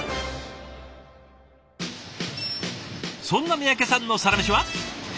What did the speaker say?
そんな三宅さんのサラメシは。